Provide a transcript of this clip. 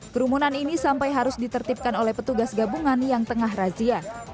kerumunan ini sampai harus ditertipkan oleh petugas gabungan yang tengah razia